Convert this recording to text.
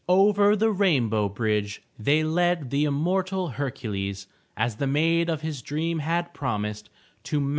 Over the rainbow bridge they led the immortal Hercules, as the maid of his dream had promised, to Mt.